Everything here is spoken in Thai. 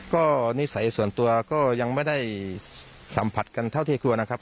ก็นิสัยส่วนตัวก็ยังไม่ได้สัมผัสกันเท่าที่กลัวนะครับ